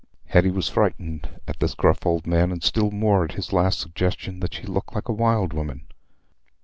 Hetty was frightened at this gruff old man, and still more at this last suggestion that she looked like a wild woman.